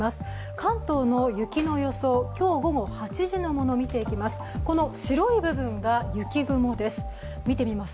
関東の雪の予想、今日午後８時のものを見ていきます。